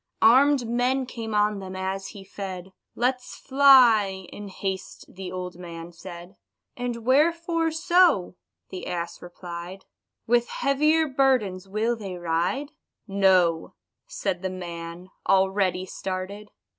Arm'd men came on them as he fed: "Let's fly," in haste the old man said. "And wherefore so?" the ass replied; "With heavier burdens will they ride?" "No," said the man, already started.